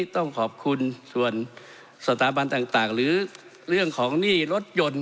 ต้องขอบคุณส่วนสถาบันต่างหรือเรื่องของหนี้รถยนต์